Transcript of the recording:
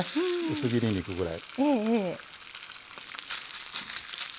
薄切り肉ぐらい。